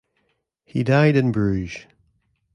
He died in Bruges.